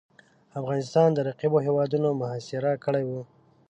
افغانستان د رقیبو هیوادونو محاصره کړی وو.